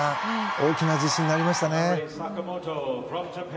大きな自信になりましたね。